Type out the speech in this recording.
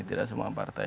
tidak semua partai